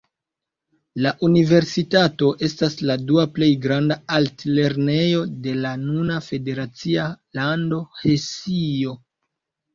La universitato estas la dua plej granda altlernejo de la nuna federacia lando Hesio.